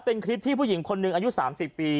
เป็นคลิปที่ผู้หญิงคนหนึ่งอายุ๓๐ปี